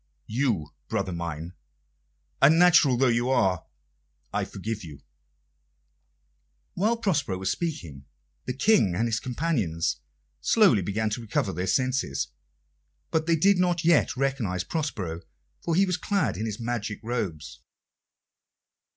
You, brother mine, unnatural though you are I forgive you." While Prospero was speaking, the King and his companions slowly began to recover their senses; but they did not yet recognise Prospero, for he was clad in his magic robes.